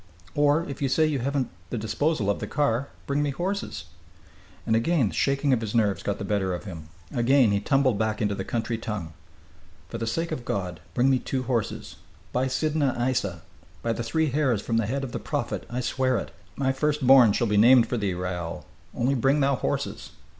Or, if you say you haven't the disposal of the car, bring me horses." And again the shaking of his nerves got the better of him; again he tumbled back into the country tongue. "For the sake of God, bring me two horses! By Sidna Aissa! by the Three Hairs from the Head of the Prophet I swear it! My first born shall be named for thee, Raoul. Only bring thou horses!